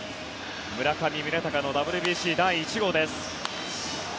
村上宗隆のＷＢＣ第１号です。